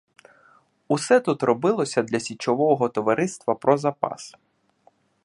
Усе тут робилося для січового товариства про запас.